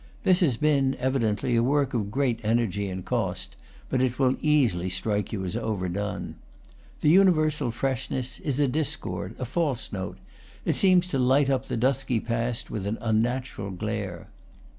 This has been, evidently, a work of great energy and cost, but it will easily strike you as overdone. The universal freshness is a discord, a false note; it seems to light up the dusky past with an unnatural glare.